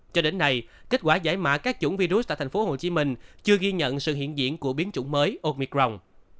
cho đến nay kết quả giải mã các chủng virus tại thành phố hồ chí minh chưa ghi nhận sự hiện diện của biến chủng mới omicron